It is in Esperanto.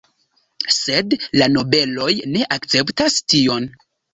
Sed la nobeloj ne akceptas tion.